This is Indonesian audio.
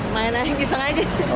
main main bisa aja sih